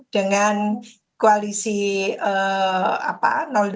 dengan koalisi apa dua